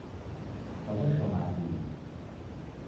Kwaw'eshoma kihi?